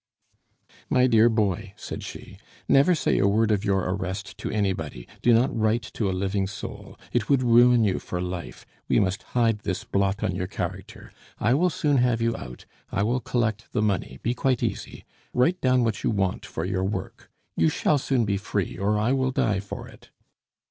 "My dear boy," said she, "never say a word of your arrest to anybody, do not write to a living soul; it would ruin you for life; we must hide this blot on your character. I will soon have you out. I will collect the money be quite easy. Write down what you want for your work. You shall soon be free, or I will die for it."